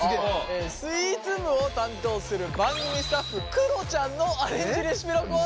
スイーツ部を担当する番組スタッフくろちゃんのアレンジレシピのコーナーです。